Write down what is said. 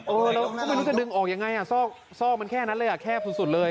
เออแล้วก็ไม่รู้จะนึงออกยังไงซอกมันแค่นั่นเลยแคบสุดเลย